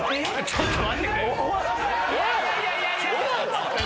ちょっと！